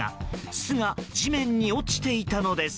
巣が地面に落ちていたのです。